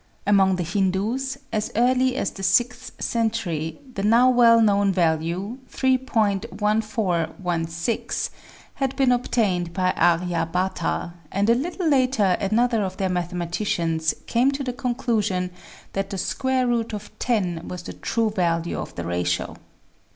Among the Hindoos, as early as the sixth century, the now well known value, 3.1416, had been obtained by Arya Bhata, and a little later another of their mathematicians came to the conclusion that the square root of 10 was the true value of the ratio.